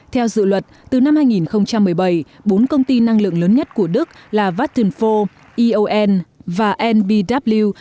theo dự luật từ năm hai nghìn một mươi bảy bốn công ty năng lượng lớn nhất của đức là vattonpho eon và mbw